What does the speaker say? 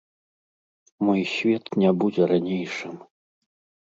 Мой свет не будзе ранейшым.